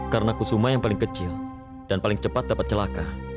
karena kusuma yang paling kecil dan paling cepat dapat celaka